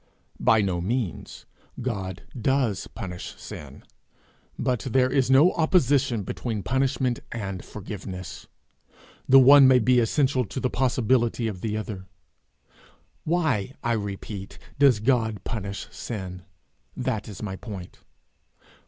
'By no means; God does punish sin, but there is no opposition between punishment and forgiveness. The one may be essential to the possibility of the other. Why, I repeat, does God punish sin? That is my point.'